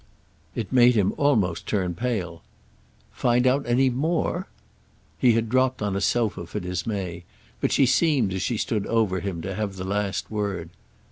It made him almost turn pale. "Find out any more?" He had dropped on a sofa for dismay; but she seemed, as she stood over him, to have the last word.